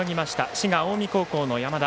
滋賀・近江高校の山田。